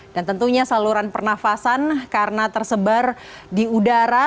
tentunya saluran pernafasan karena tersebar di udara